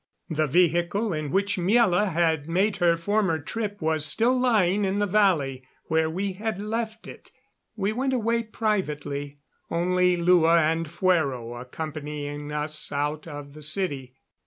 The vehicle in which Miela had made her former trip was still lying in the valley where we had left it. We went away privately, only Lua and Fuero accompanying us out of the city.